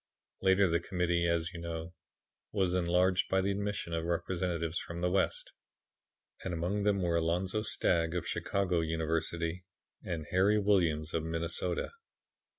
Later the Committee, as you know, was enlarged by the admission of representatives from the West; and among them were Alonzo Stagg, of Chicago University, and Harry Williams of Minnesota.